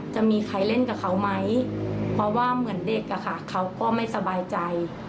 จะมีใครเล่นกับเขาไหมเพราะว่าเหมือนเด็กอะค่ะเขาก็ไม่สบายใจ